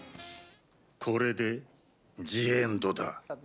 これでジ・エンドだ。